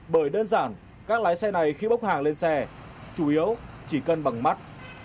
bởi đơn giản các lái xe này khi bốc hàng lên xe chủ yếu chỉ cân bằng mắt